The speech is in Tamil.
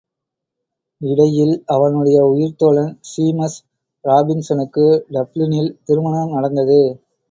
இடையில், அவனுடைய உயிர்த்தோழன் ஸீமஸ் ராபின்ஸனுக்கு டப்ளினில் திருமணம் நடந்தது.